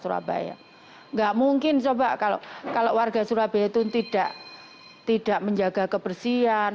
surabaya enggak mungkin coba kalau kalau warga surabaya itu tidak tidak menjaga kebersihan